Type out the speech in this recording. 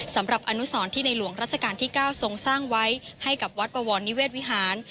สำหรับอนุสรที่ในหลวงรัชกาลที่๙ทรงสร้างไว้ให้กับวัดปวรนิเวศวิหาร